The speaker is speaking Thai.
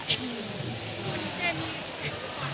วันนี้เจ๊มีมีแขนกบันได